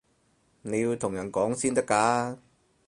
你要同人講先得㗎